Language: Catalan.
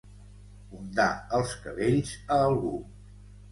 Ondar els cabells a algú.